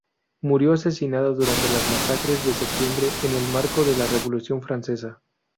Murió asesinada durante las masacres de septiembre en el marco de la Revolución francesa.